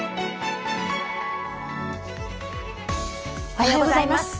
おはようございます。